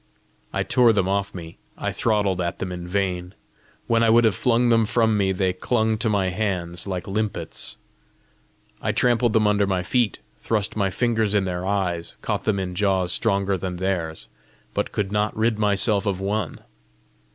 I tore them off me, I throttled at them in vain: when I would have flung them from me, they clung to my hands like limpets. I trampled them under my feet, thrust my fingers in their eyes, caught them in jaws stronger than theirs, but could not rid myself of one.